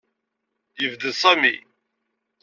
Yebded Sami.